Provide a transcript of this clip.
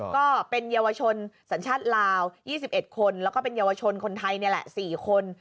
ก็เป็นเยาวชนสัญชาติลาว๒๑คนแล้วก็เป็นเยาวชนคนไทยนี่แหละ๔คน